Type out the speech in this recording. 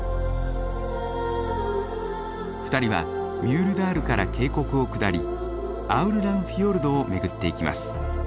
２人はミュールダールから渓谷を下りアウルランフィヨルドを巡っていきます。